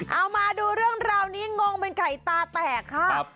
เอามาดูเรื่องราวนี้งงเป็นไข่ตาแตกค่ะ